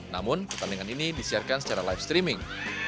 namun pertandingan ini disiarkan secara live streaming